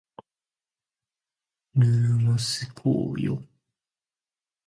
ルーモス光よ